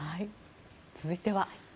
続いては。